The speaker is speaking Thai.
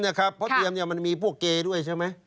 เพราะเตรียมมันมีพวกเกย์ด้วยใช่ไหม